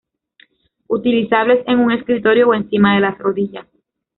Utilizables en un escritorio o encima de las rodillas.